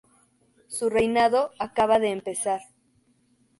Su reinado acababa de empezar.